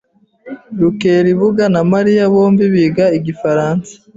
Rukeribuga na Mariya bombi biga Igifaransa.